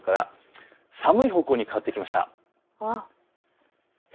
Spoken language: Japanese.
寒い方向に変わってきました。